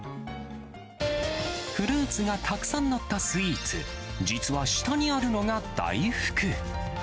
フルーツがたくさん載ったスイーツ、実は下にあるのが大福。